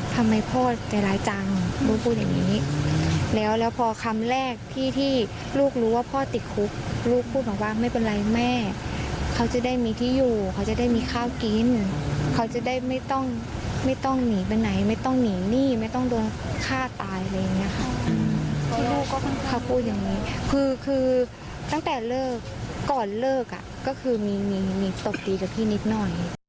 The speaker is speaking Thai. ก่อนเลิกก็คือมีตกดีกับพี่นิดหน่อย